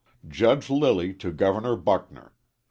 _Judge Lilly to Governor Buckner.